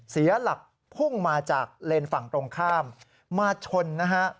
เสียหลักพุ่งมาจากเลนส์ฝั่งตรงข้ามมาชนนะฮะ